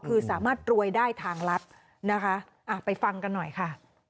คือสามารถรวยได้ทางลับนะคะไปฟังกันหน่อยค่ะ